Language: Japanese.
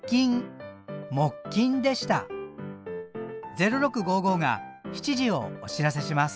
「０６」が７時をお知らせします。